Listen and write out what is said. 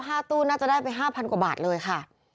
ห้าตู้น่าจะได้ไปห้าพันกว่าบาทเลยค่ะ